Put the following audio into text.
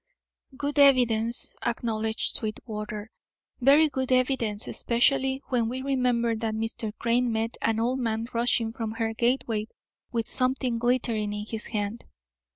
"Good evidence," acknowledged Sweetwater "very good evidence, especially when we remember that Mr. Crane met an old man rushing from her gateway with something glittering in his hand.